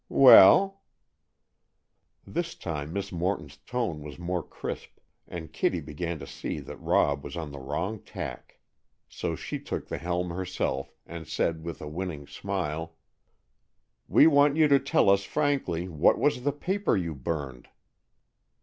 "Well?" This time, Miss Morton's tone was more crisp, and Kitty began to see that Rob was on the wrong tack. So she took the helm herself, and said, with a winning smile: "We want you to tell us frankly what was the paper you burned."